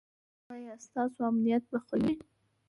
ایا ستاسو امنیت به خوندي وي؟